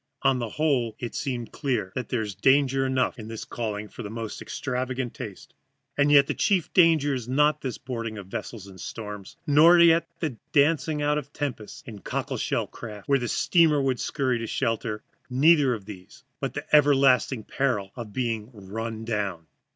On the whole it seemed clear there is danger enough in this calling for the most extravagant taste. And the chief danger is not this boarding of vessels in storms, nor yet the dancing out of tempests in cockle shell craft, where a steamer would scurry to shelter; neither of these, but the everlasting peril of being run down.